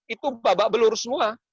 itu babak belur semua